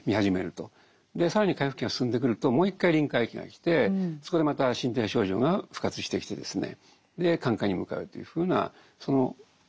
更に回復期が進んでくるともう一回臨界期がきてそこでまた身体症状が復活してきてですね